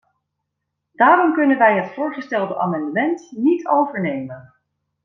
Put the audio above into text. Daarom kunnen wij het voorgestelde amendement niet overnemen.